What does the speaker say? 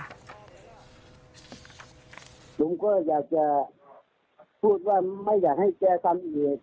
ผมก็อยากจะพูดว่าไม่อยากให้แกทำอีก